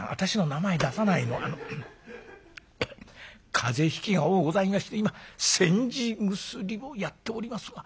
風邪ひきが多ございまして今煎じ薬をやっておりますが」。